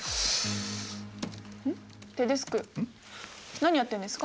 何やってんですか？